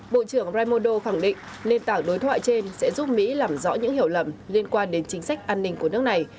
bộ trưởng raimondo khẳng định nền tảng đối thoại trên sẽ giúp mỹ làm rõ những hiểu lầm liên quan đến chính sách an ninh của nước này